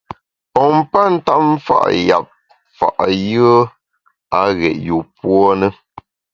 Pompa ntap mfa’ yap fa’ yùe a ghét yûpuo ne.